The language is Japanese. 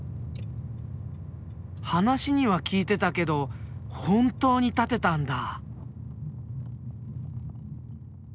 話には聞いてたけど本当に建てたんだ！